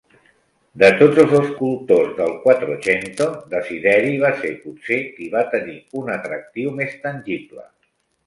De tots els escultors del Quattrocento, Desideri va ser, potser, qui va tenir un atractiu més tangible.